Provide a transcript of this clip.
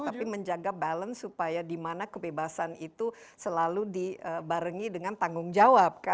tapi menjaga balance supaya dimana kebebasan itu selalu dibarengi dengan tanggung jawab